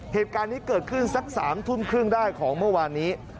เหตุการณ์นี้เกิดขึ้นสัก๓ทุ่มครึ่งได้ของเมื่อวานนี้